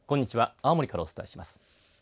青森からお伝えします。